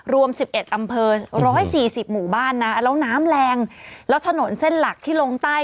รวม๑๑อำเภอ๑๔๐หมู่บ้านนะแล้วน้ำแรงแล้วถนนเส้นหลักที่ลงใต้